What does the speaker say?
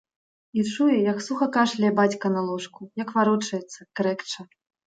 І чуе, як суха кашляе бацька на ложку, як варочаецца, крэкча.